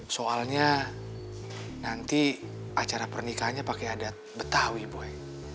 soalnya nanti acara pernikahannya pakai adat betawi buy